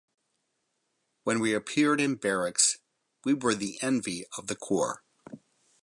When we appeared in barracks, we were the envy of the corps.